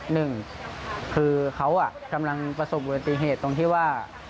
หนึ่งคือเขากำลังประสบอุบัติเหตุตรงที่ว่า